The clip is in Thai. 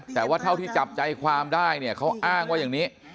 แต่ว่าเท่าที่จับใจความได้เนี่ยเขาอ้างว่าอย่างนี้